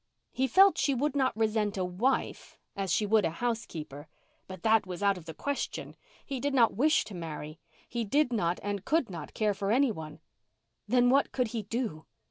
He felt she would not resent a wife as she would a housekeeper. But that was out of the question. He did not wish to marry—he did not and could not care for anyone. Then what could he do?